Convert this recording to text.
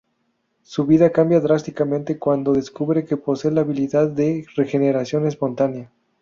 Su vida cambia drásticamente cuando descubre que posee la habilidad de la regeneración espontánea.